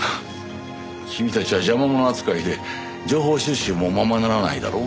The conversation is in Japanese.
君たちは邪魔者扱いで情報収集もままならないだろう？